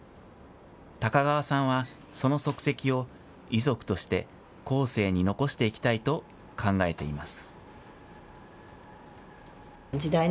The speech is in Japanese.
高川さんはその足跡を遺族として後世に残していきたいと考えています。